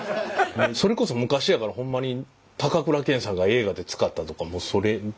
それこそ昔やからホンマに高倉健さんが映画で使ったとかもうそれ。